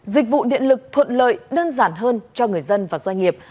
dịch vụ điện lực thuận lợi đơn giản hơn cho người dân và doanh nghiệp